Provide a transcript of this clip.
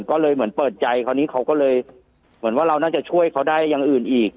ก็เลยเหมือนเปิดใจคราวนี้เขาก็เลยเหมือนว่าเราน่าจะช่วยเขาได้อย่างอื่นอีก